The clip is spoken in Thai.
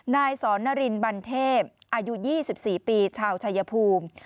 นายสอนนารินบันเทพอายุ๒๔ปีชาวชายภูมิ